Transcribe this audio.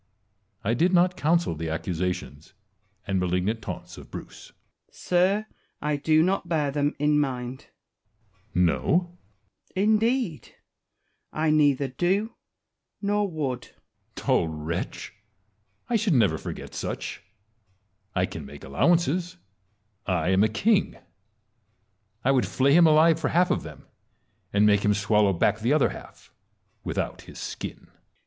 I did not counsel the accusations and malignant taunts of Bruce. Wallace. Sir, I do not bear them in mind. Edward. No 1 WALLACE AND KING EDWARD L 109 Wallace. Indeed, I neither do nor would. Edward. Dull wretch ! I should never forget such. I can make allowances; I am a king. I would flay him alive for half of them, and make him swallow back the other half without his skin.